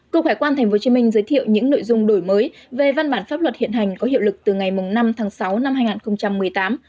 cục hải quan tp hcm giới thiệu những nội dung đổi mới về văn bản pháp luật hiện hành có hiệu lực từ ngày năm tháng sáu năm hai nghìn một mươi tám